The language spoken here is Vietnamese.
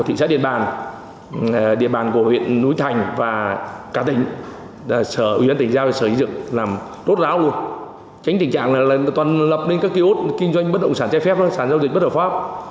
thực trạng là toàn lập nên các kỳ ốt kinh doanh bất động sản trái phép sản giao dịch bất hợp pháp